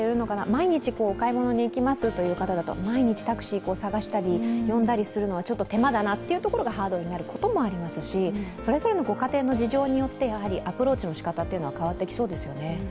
毎日お買い物に行きますという方だと毎日タクシー探したり呼んだりするのは手間だなというところがハードルになることもありますし、それぞれのご家庭の事情によってアプローチの仕方は変わってきそうですよね。